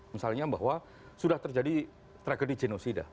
misalnya bahwa sudah terjadi tragedi genosida